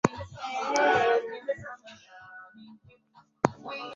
haiwezi kufanyika sehemu nyingine yeyote mungu amemuonyesha